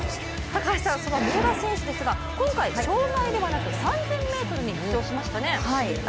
高橋さん、その三浦選手ですが今回、障害ではなく３０００ｍに出場しましたね。